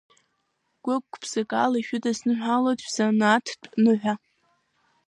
Гәык-ԥсык ала ишәыдысныҳәалоит шәзанааҭтә ныҳәа!